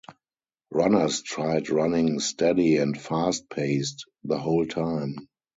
Runners tried running steady and fast-paced the whole time.